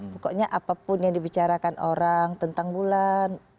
pokoknya apapun yang dibicarakan orang tentang bulan